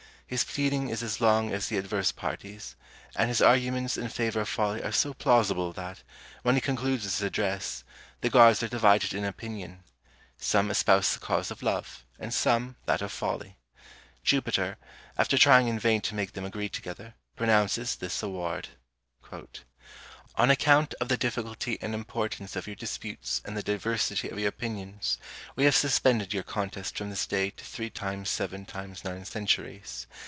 His pleading is as long as the adverse party's, and his arguments in favour of Folly are so plausible, that, when he concludes his address, the gods are divided in opinion; some espouse the cause of Love, and some, that of Folly. Jupiter, after trying in vain to make them agree together, pronounces this award: "On account of the difficulty and importance of your disputes and the diversity of your opinions, we have suspended your contest from this day to three times seven times nine centuries.